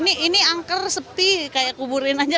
ini angker sepi kayak kuburin aja